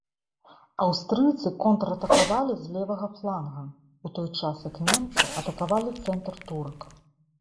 Аўстрыйцы контратакавалі з левага фланга, у той час як немцы атакавалі цэнтр турак.